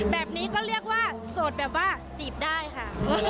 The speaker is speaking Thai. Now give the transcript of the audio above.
แบบนี้ก็เรียกว่าโสดแบบว่าจีบได้ค่ะ